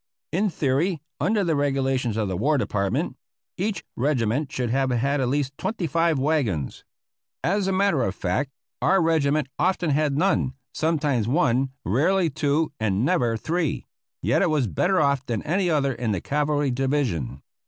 In theory, under the regulations of the War Department, each regiment should have had at least twenty five wagons. As a matter of fact our regiment often had none, sometimes one, rarely two, and never three; yet it was better off than any other in the cavalry division.